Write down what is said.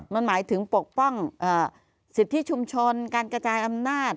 มันหมายถึงปกป้องสิทธิชุมชนการกระจายอำนาจ